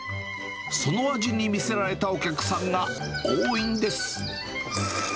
その味に魅せられたお客さんが多いんです。